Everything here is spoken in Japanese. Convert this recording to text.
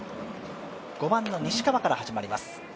５番の西川から始まります。